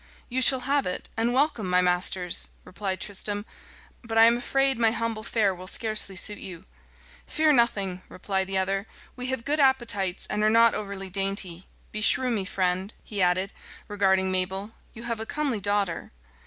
"You shall have it, and welcome, my masters," replied Tristram, "but I am afraid my humble fare will scarcely suit you." "Fear nothing," replied the other; "we have good appetites, and are not over dainty. Beshrew me, friend," he added, regarding Mabel, "you have a comely daughter."